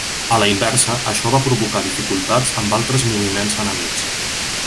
A la inversa, això va provocar dificultats amb altres moviments enemics.